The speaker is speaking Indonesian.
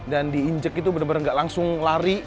dan diinjek itu bener bener nggak langsung lari